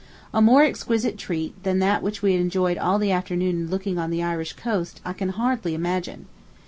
A more exquisite treat than that which we enjoyed all the afternoon in looking on the Irish coast I can hardly imagine.